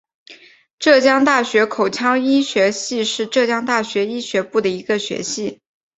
浙江大学口腔医学系是浙江大学医学部的一个学系。